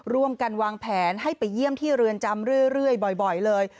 ร่วมกันวางแผนให้ไปเยี่ยมที่เรือนจำเรื่อยบ่อยเลย